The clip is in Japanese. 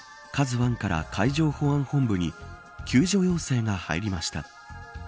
１から海上保安本部に救助要請が入りました。